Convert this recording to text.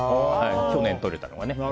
去年とれたのがね。